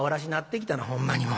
ほんまにもう。